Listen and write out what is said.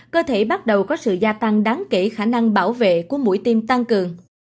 cơ thể bắt đầu có sự gia tăng đáng kể khả năng bảo vệ của mũi tiêm tăng cường